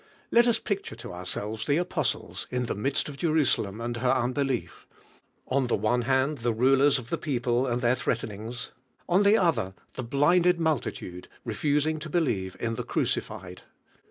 Let us picture In ourselves the apostles in the midst of Jerusalem and her unli. lief; on the one hand the rulers of the people and their threatening; on the oth er, the blinded multitude refusing to be lieve in the Crueilied.